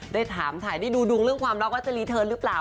ได้ถามถ่ายได้ดูดวงเรื่องความรักว่าจะรีเทิร์นหรือเปล่า